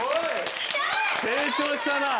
成長したなあ！